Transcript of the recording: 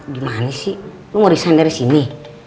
gimana sih lu mau resign dari sini